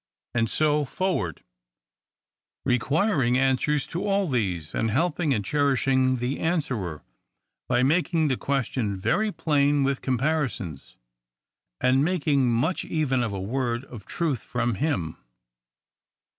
— and so forward, requiring answers to all these ; and helping and cher ishing the answerer, by making the question very plain with comparisons ; and making much even of a word of truth from him.